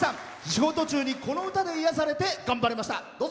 仕事中に、この歌で癒やされて頑張れました。